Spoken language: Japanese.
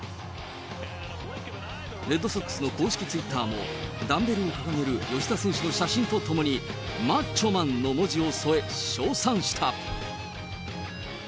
レッドソックスの公式ツイッターも、ダンベルを掲げる吉田選手の写真とともに、マッチョマンの文字を添え、称賛した。